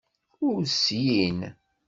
Ur slin.